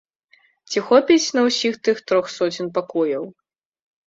Ці хопіць на ўсіх тых трох соцень пакояў.